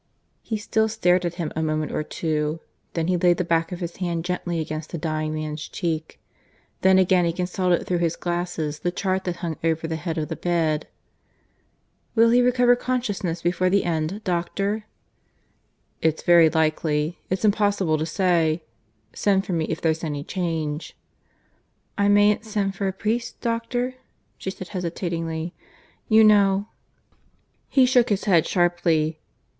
He still stared at him a moment or two; then he laid the back of his hand gently against the dying man's cheek, then again he consulted through his glasses the chart that hung over the head of the bed. "Will he recover consciousness before the end, doctor?" "It's very likely; it's impossible to say. Send for me if there's any change." "I mayn't send for a priest, doctor?" she said hesitatingly. "You know " He shook his head sharply.